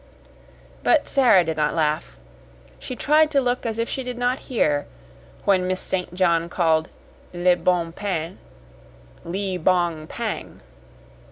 But Sara did not laugh. She tried to look as if she did not hear when Miss St. John called "le bon pain," "lee bong pang."